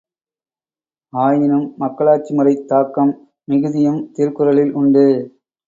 ஆயினும் மக்களாட்சிமுறைத் தாக்கம் மிகுதியும் திருக்குறளில் உண்டு.